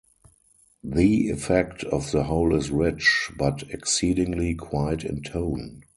The effect of the whole is rich, but exceedingly quiet in tone.